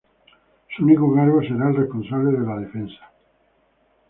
Un único cargo será el responsable de la defensa.